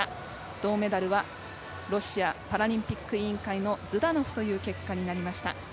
銅メダルはロシアパラリンピック委員会のズダノフという結果になりました。